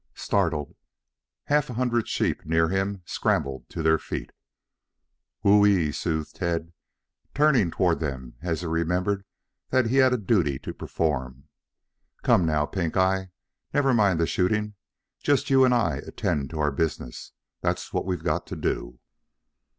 Startled, half a hundred sheep near him, scrambled to their feet. "W h o e e e," soothed Tad, turning toward them as he remembered that he had a duty to perform. "Come now, Pink eye, never mind the shooting. Just you and I attend to our business. That's what we've got to do."